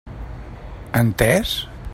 Entès?